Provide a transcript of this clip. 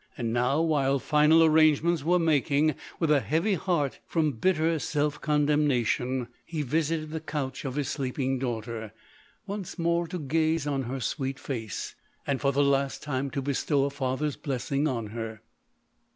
And now, while final arrangements were making, with a heart heavy from bitter self condemnation, he vol. i. i 170 LODORE. visited the couch of his sleeping daughter, once more to gaze on her sweet face, and for the last time to bestow a father's blessing; on her.